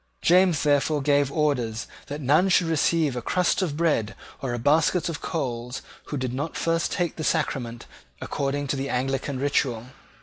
James therefore gave orders that none should receive a crust of bread or a basket of coals who did not first take the sacrament according to the Anglican ritual.